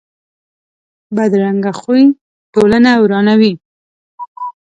بدرنګه خوی ټولنه ورانوي